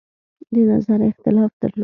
د نظر اختلاف درلود.